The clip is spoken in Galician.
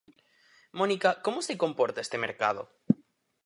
Mónica, como se comporta este mercado?